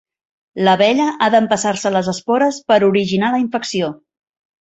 L'abella ha d'empassar-se les espores per originar la infecció.